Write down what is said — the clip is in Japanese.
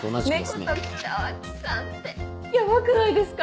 ネコと北脇さんってヤバくないですか？